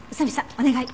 お願い。